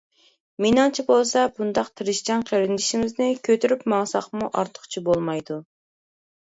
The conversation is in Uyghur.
مېنىڭچە بولسا بۇنداق تىرىشچان قېرىندىشىمىزنى كۆتۈرۈپ ماڭساقمۇ ئارتۇقچە بولمايدۇ.